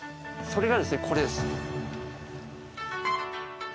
それがですねこれです。